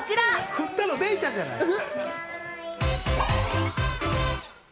振ったのデイちゃんじゃないですか。